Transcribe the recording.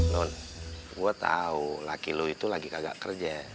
nun gue tau laki lo itu lagi kagak kerja